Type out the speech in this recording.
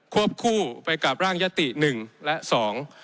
วบคู่ไปกับร่างยติหนึ่งและสอง